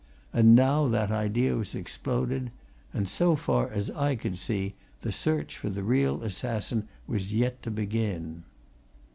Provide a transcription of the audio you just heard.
And now that idea was exploded, and so far as I could see, the search for the real assassin was yet to begin.